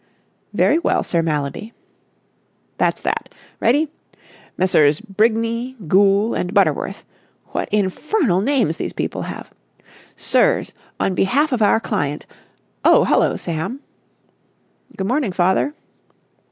"Very well, Sir Mallaby." "That's that. Ready? Messrs. Brigney, Goole and Butterworth. What infernal names these people have. Sirs,—On behalf of our client ... oh, hullo, Sam!" "Good morning, father."